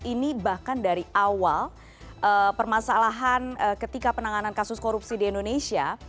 ini bahkan dari awal permasalahan ketika penanganan kasus korupsi di indonesia